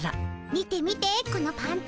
見て見てこのパンツ。